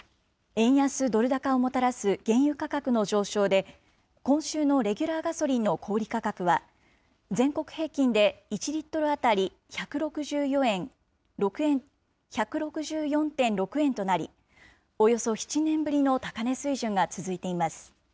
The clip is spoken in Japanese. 円安ドル高をもたらす原油価格の上昇で、今週のレギュラーガソリンの小売り価格は、全国平均で１リットル当たり１６４．６円となり、およそ７年ぶりの高値水準が続いています。